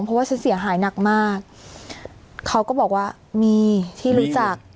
เพราะว่าฉันเสียหายหนักมากเขาก็บอกว่ามีที่รู้จัก